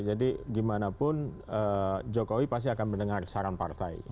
jadi gimana pun jokowi pasti akan mendengar saran partai